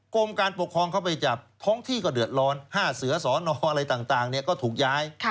กรมการปกครองเข้าไปจับท้องที่ก็เดือดร้อน๕เสือสอนออะไรต่างก็ถูกย้าย